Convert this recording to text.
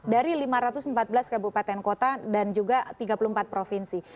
dari lima ratus empat belas kabupaten kota dan juga tiga puluh empat provinsi